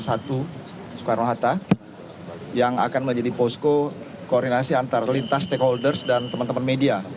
satu soekarno hatta yang akan menjadi posko koordinasi antar lintas stakeholders dan teman teman media